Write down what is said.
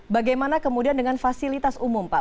bagaimana kemudian dengan fasilitas umum pak